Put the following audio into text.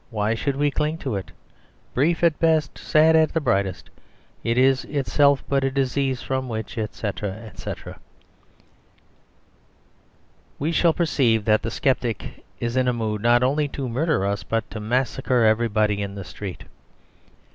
Why should we cling to it? Brief at the best, sad at the brightest, it is itself but a disease from which, etc., etc." We shall perceive that the sceptic is in a mood not only to murder us but to massacre everybody in the street.